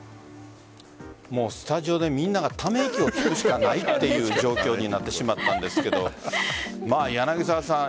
スタジオでみんながため息をつくしかないっていう状況になってしまったんですけど柳澤さん